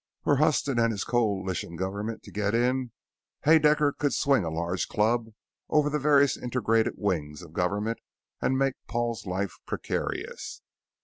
Were Huston and his coalition government to get in, Haedaecker could swing a large club over the various integrated wings of government and make Paul's life precarious.